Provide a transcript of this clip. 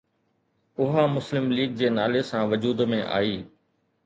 اها مسلم ليگ جي نالي سان وجود ۾ آئي